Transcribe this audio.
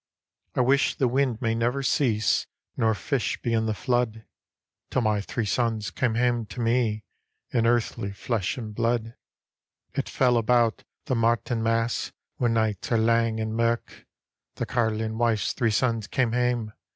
" I wish the wind may never cease, Nor fish be in the flood, Till my three sons come hame to me, In earthly flesh and blood I " It fell about the Martinmas, When nights are lang and mirk, The carline wife's three sons cam' hame.